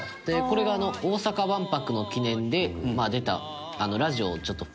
これが大阪万博の記念で出たラジオを、ちょっと。